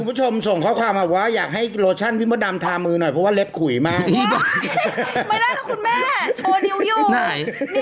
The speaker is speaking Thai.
โถนุ่มเธอเข้าใจคำว่ากรรมไหมกรรมเขาสอบว่ามันคือการกระทำ